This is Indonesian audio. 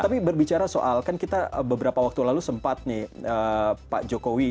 tapi berbicara soal kan kita beberapa waktu lalu sempat nih pak jokowi